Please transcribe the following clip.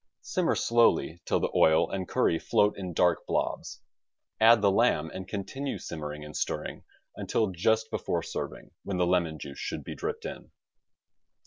Simmer slowly till the oil and curry float in dark blobs, add the lamb, and con tinue simmering and stirring until just before serving, when the lemon juice should be dripped in.